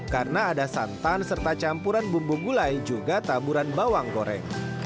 karena ada santan serta campuran bumbu gulai juga taburan bawang goreng